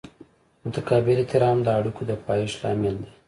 متقابل احترام د اړیکو د پایښت لامل دی.